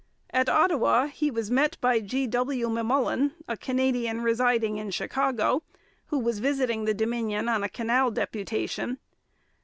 At Ottawa he was met by G. W. M'Mullen, a Canadian residing in Chicago, who was visiting the Dominion on a canal deputation.